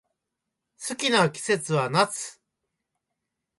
好きな季節は夏